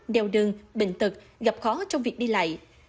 đeo đường bệnh tật gặp khó trong việc đi lại